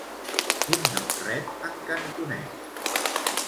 Quin nom rep en cantonès?